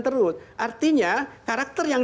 terus artinya karakter yang